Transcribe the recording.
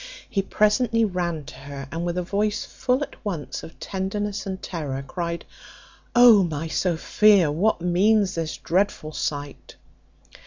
He presently ran to her, and with a voice full at once of tenderness and terrour, cried, "O my Sophia, what means this dreadful sight?"